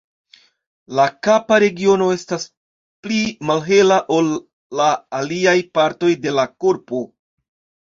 La kapa regiono estas pli malhela ol la aliaj partoj de la korpo.